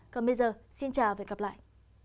còn bây giờ xin chào và hẹn gặp lại